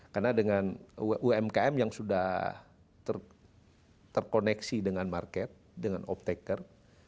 karena dengan umkm yang sudah terkoneksi dengan market dengan uptaker